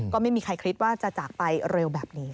ก็ไม่มีใครคิดว่าจะจากไปเร็วแบบนี้